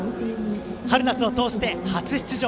春夏を通して初出場。